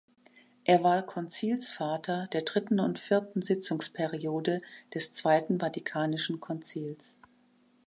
Er war Konzilsvater der dritten und vierten Sitzungsperiode des Zweiten Vatikanischen Konzils.